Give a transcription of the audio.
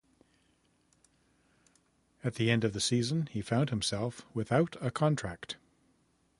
At the end of the season he found himself without a contract.